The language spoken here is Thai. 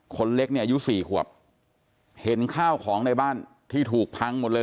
คนเล็กเนี่ยอายุสี่ขวบเห็นข้าวของในบ้านที่ถูกพังหมดเลย